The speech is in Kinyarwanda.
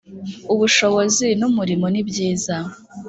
ubushobozi n umurimo nibyiza